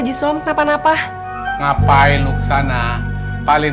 jangan lu kumpulin